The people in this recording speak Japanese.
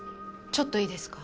ちょっといいですか？